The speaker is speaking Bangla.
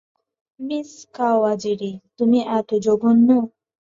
মিস কাওয়াজিরি, তুমি এত জঘন্য!